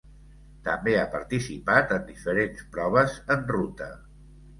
També ha participat en diferents proves en ruta.